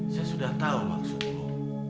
saya sudah tau maksudmu